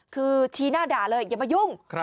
คือชี้หน้าด่าเลยอย่ามายุ่ง